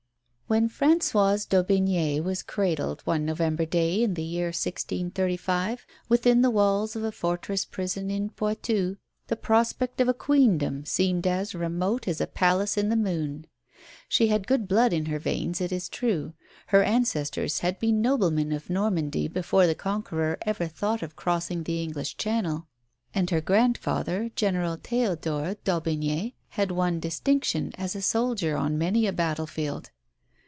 When Françoise d'Aubigné was cradled, one November day in the year 1635, within the walls of a fortress prison in Poitou, the prospect of a Queendom seemed as remote as a palace in the moon. She had good blood in her veins, it is true. Her ancestors had been noblemen of Normandy before the Conqueror ever thought of crossing the English Channel, and her grandfather, General Theodore d'Aubigné, had won distinction as a soldier on many a battlefield.